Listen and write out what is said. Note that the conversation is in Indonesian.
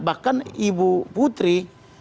bahkan ibu putri